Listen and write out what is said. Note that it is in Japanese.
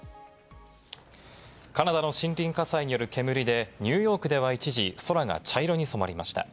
カナダの森林火災による煙で、ニューヨークでは一時、空が茶色に染まりました。